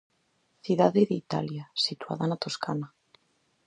Cidade de Italia, situada na Toscana.